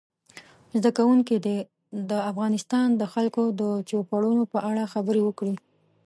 زده کوونکي دې د افغانستان د خلکو د چوپړونو په اړه خبرې وکړي.